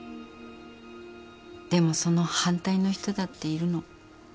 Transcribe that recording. でもその反対の人だっているの。